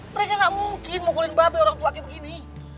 mereka gak mungkin mukulin babi orang tua kaya begini